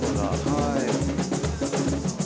はい。